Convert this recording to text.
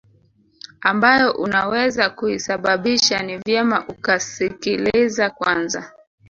ambayo unaweza kuisababisha ni vyema ukasikiliza Kwanza